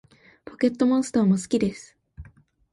ポケットモンスターも好きです